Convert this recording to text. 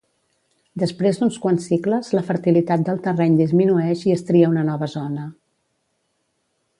Després d'uns quants cicles, la fertilitat del terreny disminueix i es tria una nova zona.